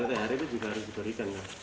padahal hari ini juga harus diberikan